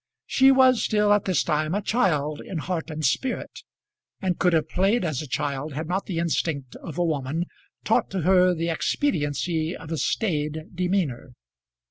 She was still at this time a child in heart and spirit, and could have played as a child had not the instinct of a woman taught to her the expediency of a staid demeanour.